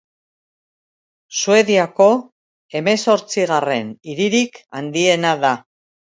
Suediako hemezortzigarren hiririk handiena da.